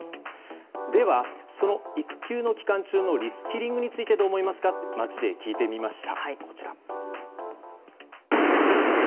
では、その育休の期間中のリスキリングについてどう思いますかと街で聞いてみました。